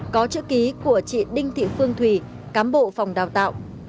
có chữ ký của chị đinh thị phương thùy cám bộ phòng đào tạo